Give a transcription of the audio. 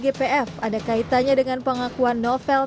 gpf ada kaitannya dengan pengakuan novel